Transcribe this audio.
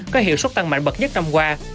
có hiệu xuất tăng mạnh bậc nhất năm qua